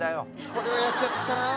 これはやっちゃったな。